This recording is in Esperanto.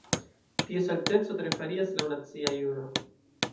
Ties alteco tre varias laŭ nacia juro.